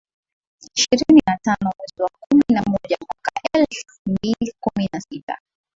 Ishirini na tano mwezi wa kumi na moja mwaka elfu mbili kumi na sita